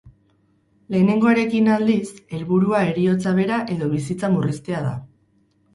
Lehenengoarekin, aldiz, helburua heriotza bera edo bizitza murriztea da.